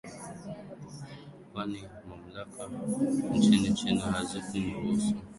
kwani mamlaka nchini china haziku mruhusu kutoka nje ya gereza